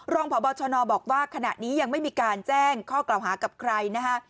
รองพบชนบอกว่าขณะนี้ยังไม่มีการแจ้งข้อกล่าวหากับใครนะฮะ